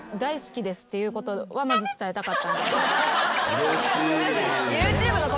うれしい。